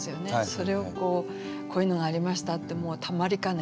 それを「こういうのがありました」ってもうたまりかねて報告した。